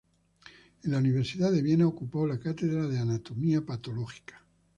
En la Universidad de Viena ocupó la cátedra de anatomía patológica.